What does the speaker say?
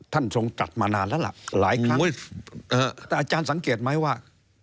ทรงตัดมานานแล้วล่ะหลายครั้งแต่อาจารย์สังเกตไหมว่า